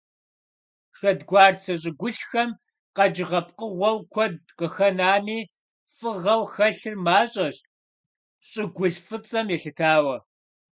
Шэдгуарцэ щӀыгулъхэм къэкӀыгъэ пкъыгъуэу куэд къыхэнами, фыгъэу хэлъыр мащӀэщ, щӀыгулъ фӀыцӀэм елъытауэ.